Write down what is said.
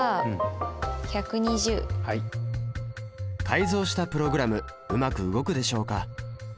改造したプログラムうまく動くでしょうか？